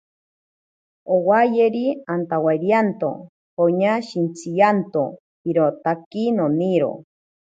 Owayeri, antawairianto poña shintsiyanto... irotaki noniro.